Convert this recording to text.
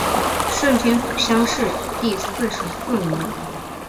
顺天府乡试第四十四名。